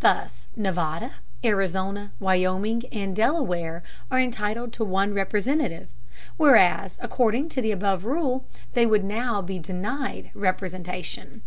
Thus Nevada, Arizona, Wyoming, and Delaware are entitled to one Representative, whereas according to the above rule they would now be denied representation.